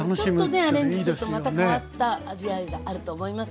ちょっとねアレンジするとまた変わった味わいがあると思います。